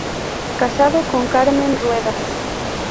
Casado con Carmen Ruedas.